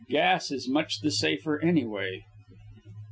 Gas is much the safer, anyway.